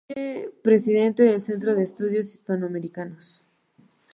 Fue presidente del Centro de Estudios Hispanoamericanos.